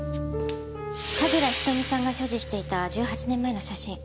神楽瞳さんが所持していた１８年前の写真